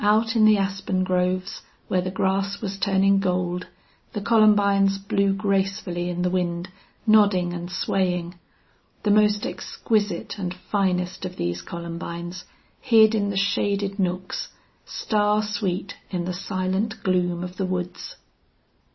Out in the aspen groves, where the grass was turning gold, the columbines blew gracefully in the wind, nodding and swaying. The most exquisite and finest of these columbines hid in the shaded nooks, star sweet in the silent gloom of the woods.